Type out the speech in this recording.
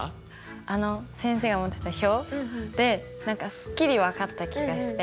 あの先生が持ってた表で何かすっきり分かった気がして。